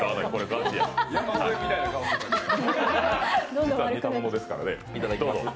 実は似た者ですからね。